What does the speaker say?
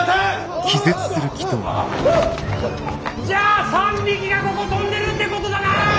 じゃあ３匹がここ飛んでるってことだな！？